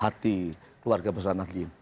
hati keluarga pesanat gini